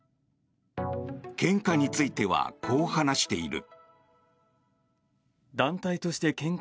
献花についてはこう話している。